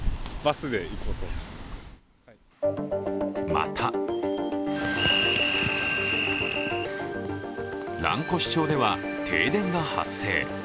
また蘭越町では停電が発生。